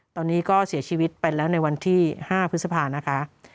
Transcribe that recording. ตอนนี้ก็เสียชีวิตไปแล้วในวันที่๕พฤษภานะคะ